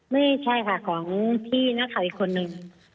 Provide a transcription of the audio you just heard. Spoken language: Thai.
ไม่ใช่ค่ะของพี่นักข่าวอีกคนนึง